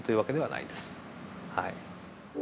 はい。